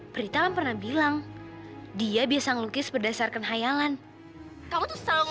kek sepuluh tahun perang antara freddy dan anthony